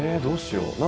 どうしよう。